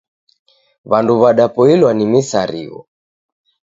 W'andu w'adapoilwa ni misarigho.